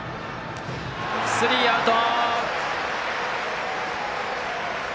スリーアウト。